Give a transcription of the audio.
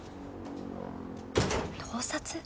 盗撮？